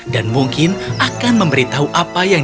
dan mungkin akan memberitahu apa yang